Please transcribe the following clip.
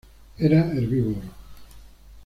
Era herbívoro.